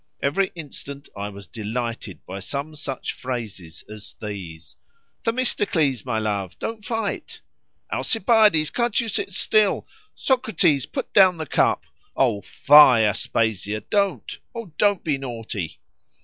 Every instant I was delighted by some such phrases as these, "Themistocles, my love, don't fight."—"Alcibiades, can't you sit still?"—"Socrates, put down the cup."—"Oh, fie! Aspasia, don't. Oh! don't be naughty!"